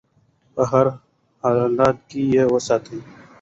په هر حال کې یې وساتو.